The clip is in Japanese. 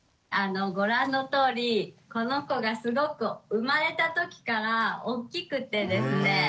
ご覧のとおりこの子がすごく生まれた時から大きくてですね